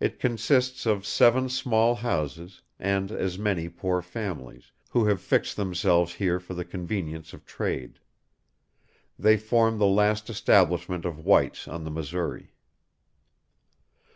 It consists of seven small houses, and as many poor families, who have fixed themselves here for the convenience of trade. They form the last establishment of whites on the Missouri."